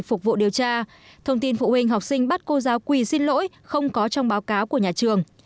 phục vụ điều tra thông tin phụ huynh học sinh bắt cô giáo quỳ xin lỗi không có trong báo cáo của nhà trường